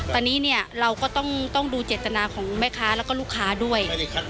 ตอนนี้เนี่ยเราก็ต้องดูเจตนาของแม่ค้าแล้วก็ลูกค้าด้วย